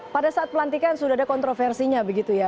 pada saat pelantikan sudah ada kontroversinya begitu ya